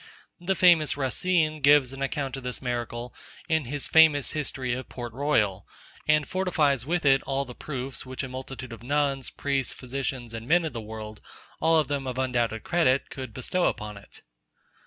The famous Racine gives an account of this miracle in his famous history of Port Royal, and fortifies it with all the proofs, which a multitude of nuns, priests, physicians, and men of the world, all of them of undoubted credit, could bestow upon it.